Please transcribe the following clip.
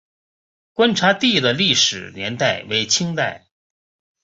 观察第的历史年代为清代。